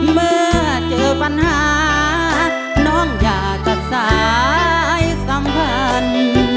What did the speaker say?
เมื่อเจอปัญหาน้องอย่าตัดสายสัมพันธ์